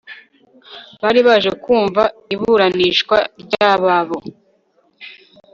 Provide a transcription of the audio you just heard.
bari baje kumva iburanishwa ryababo